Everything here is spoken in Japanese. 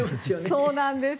そうなんです。